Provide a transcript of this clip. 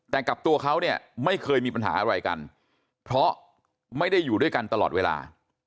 แต่กับตัวเขาเนี่ยไม่เคยมีปัญหาอะไรกันเพราะไม่ได้อยู่ด้วยกันตลอดเวลา